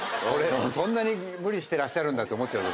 そんなに無理してらっしゃるんだって思っちゃう。